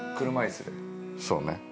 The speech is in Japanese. そうね。